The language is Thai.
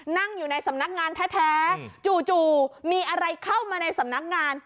นั่งอยู่ในสำนักงานแท้จู่มีอะไรเข้ามาในสำนักงาน